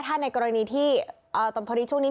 ถ้าในกรณีที่ตอนพระฤทธิ์ช่วงนี้